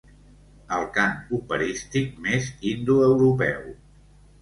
El cant operístic més indoeuropeu.